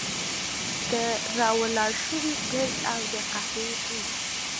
د را ولاړ شوي ګرد او د قهوې بوی.